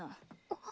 あっ。